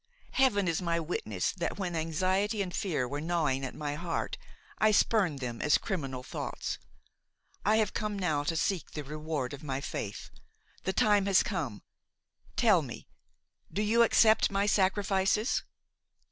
Heaven is my witness that when anxiety and fear were gnawing at my heart I spurned them as criminal thoughts. I have come now to seek the reward of my faith; the time has come; tell me, do you accept my sacrifices?